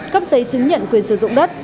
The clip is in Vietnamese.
cấp giấy chứng nhận quyền sử dụng đất